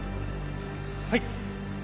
はい。